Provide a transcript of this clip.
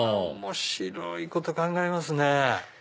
面白いこと考えますね。